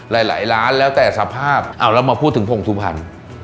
หลายหลายล้านแล้วแต่สภาพเอาแล้วมาพูดถึงพงสุพรรณ